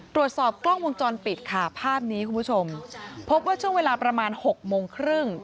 ตรวจสอบกล้องวงจรปิดค่ะภาพนี้คุณผู้ชมพบว่าช่วงเวลาประมาณหกโมงครึ่ง